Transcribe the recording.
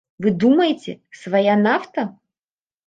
Вы думаеце, свая нафта?